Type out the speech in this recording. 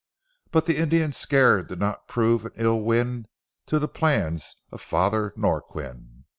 But the Indian scare did not prove an ill wind to the plans of Father Norquin.